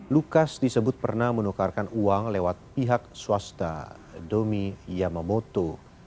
lukas disebut pernah menukarkan uang lewat pihak swasta domi yamamoto